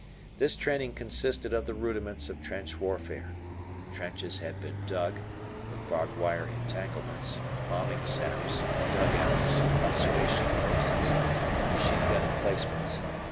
This training consisted of the rudiments of trench warfare. Trenches had been dug, with barbed wire entanglements, bombing saps, dug outs, observation posts, and machine gun emplacements.